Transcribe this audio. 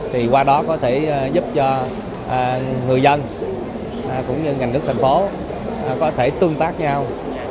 thì qua đó có thể giúp cho người dân cũng như ngành nước thành phố có thể tương tác nhau